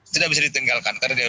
tidak bisa ditinggalkan karena dia